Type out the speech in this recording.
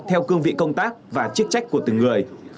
theo cương vị công tác và chức trách của từng người